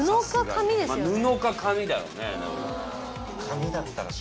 布か紙だろうね。